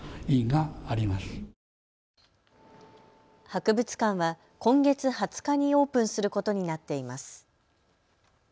博物館は今月２０日にオープンすることになっています。